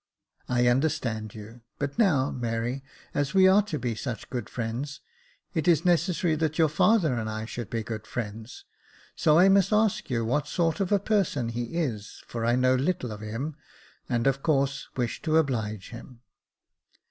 " I understand you , but now, Mary, as we are to be such good friends, it is necesssary that your father and I should be good friends ; so I must ask you what sort of 198 Jacob Faithful a person he is, fori know little of him, and, of course, wish to oblige him."